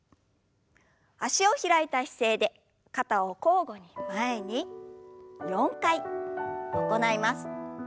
脚を開いた姿勢で肩を交互に前に４回行います。